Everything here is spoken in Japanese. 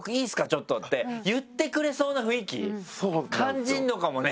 ちょっと」って言ってくれそうな雰囲気感じるのかもね。